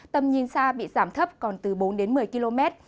tầm nhìn xa bị giảm thấp còn từ bốn đến một mươi km